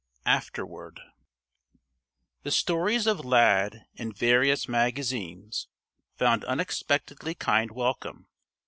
AFTERWORD The stories of Lad, in various magazines, found unexpectedly kind welcome.